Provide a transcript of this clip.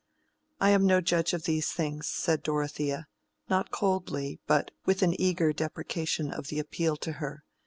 "I am no judge of these things," said Dorothea, not coldly, but with an eager deprecation of the appeal to her.